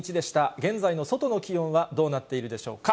現在の外の気温はどうなっているでしょうか。